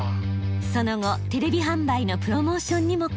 その後テレビ販売のプロモーションにも貢献。